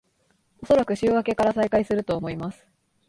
おそらく週明けから再開すると思います